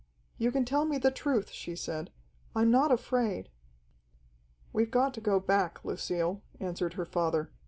"You can tell me the truth," she said. "I'm not afraid." "We've got to go back, Lucille," answered her father.